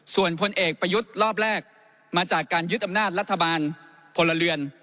ส่วนพลเอกประยุทธ์รอบแรกมาจากการยึดอำนาจรัฐบาลพลเรือน